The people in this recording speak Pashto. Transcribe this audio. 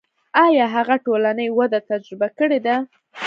آیا هغه ټولنې وده تجربه کړې ده.